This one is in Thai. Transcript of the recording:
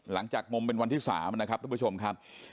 หลังจากงมเป็นวันที่๓นะครับทุกผู้ชมครับ